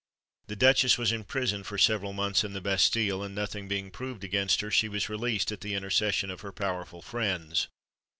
The duchess was imprisoned for several months in the Bastille; and nothing being proved against her, she was released at the intercession of her powerful friends.